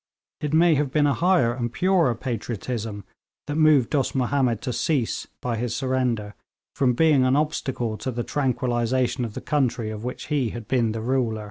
It may have been a higher and purer patriotism that moved Dost Mahomed to cease, by his surrender, from being an obstacle to the tranquillisation of the country of which he had been the ruler.